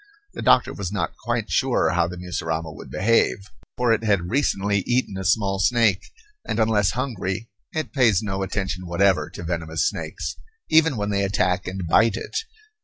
The doctor was not quite sure how the mussurama would behave, for it had recently eaten a small snake, and unless hungry it pays no attention whatever to venomous snakes, even when they attack and bite it.